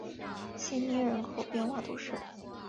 谢涅人口变化图示